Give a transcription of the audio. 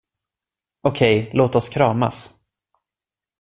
Okej, låt oss kramas.